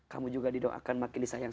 kamu juga didoakan makin disayangkan